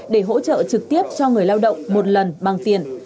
để hỗ trợ trực tiếp cho người lao động một lần bằng tiền